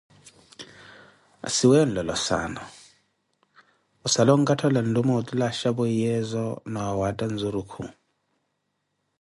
maasi weeyo onlolo saana, ossala onkathala nlume otule achapweiyezo na waatha nzurukhu